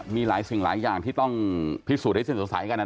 มีหลายสิ่งหลายอย่างที่ต้องพิสูจน์ให้สิ้นสงสัยกัน